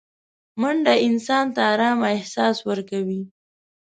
منډه انسان ته ارامه احساس ورکوي